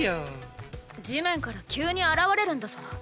地面から急に現れるんだぞ。